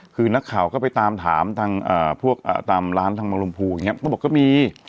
คือนักข่าวก็ไปตามถามตามร้านทางบางรมภูก็บอกว่ามี